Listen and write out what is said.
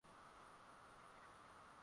kuunda himaya na eneo kubwa Katika karne